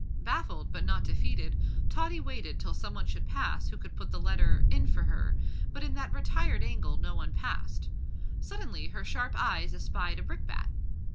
Baffled, but not defeated, Tottie waited till some one should pass who could put the letter in for her, but in that retired angle no one passed. Suddenly her sharp eyes espied a brickbat.